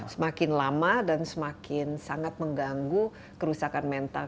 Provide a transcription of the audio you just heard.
semakin lama dan semakin sangat mengganggu kerusakan mental